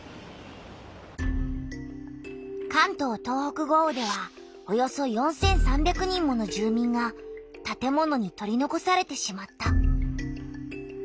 関東・東北豪雨ではおよそ４３００人もの住みんがたて物に取りのこされてしまった。